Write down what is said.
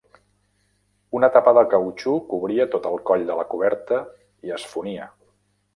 Una tapa de cautxú cobria tot el coll de la coberta i es fonia.